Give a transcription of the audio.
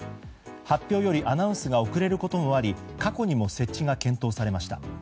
発表よりアナウンスが遅れることもあり過去にも設置が検討されました。